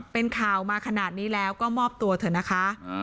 เป็นข่าวมาขนาดนี้แล้วก็มอบตัวเถอะนะคะ